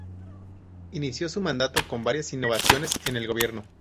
Inició su mandato con varias innovaciones en el gobierno.